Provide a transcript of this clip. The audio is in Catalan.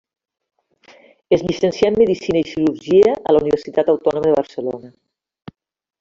Es llicencià en medicina i cirurgia a la Universitat Autònoma de Barcelona.